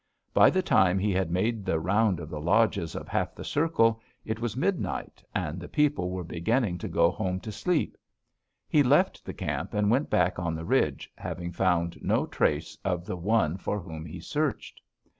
By the time he had made the round of the lodges of half of the circle it was midnight, and the people were beginning to go home to sleep. He left the camp and went back on the ridge, having found no trace of the one for whom he searched.